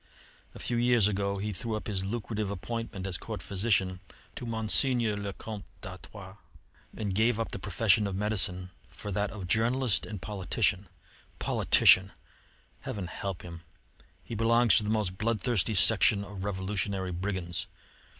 A few years ago he threw up his lucrative appointment as Court physician to Monseigneur le Comte d'Artois, and gave up the profession of medicine for that of journalist and politician. Politician! Heaven help him! He belongs to the most bloodthirsty section of revolutionary brigands.